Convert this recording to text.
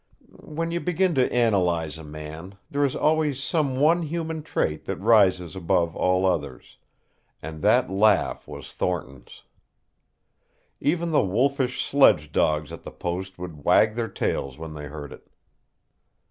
When you begin to analyze a man, there is always some one human trait that rises above all others, and that laugh was Thornton's. Even the wolfish sledge dogs at the post would wag their tails when they heard it.